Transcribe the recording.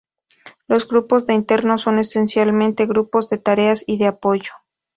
Los grupos de internos son esencialmente grupos de tareas y de apoyo.